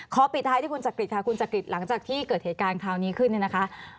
ปิดท้ายที่คุณจักริตค่ะคุณจักริตหลังจากที่เกิดเหตุการณ์คราวนี้ขึ้นเนี่ยนะคะ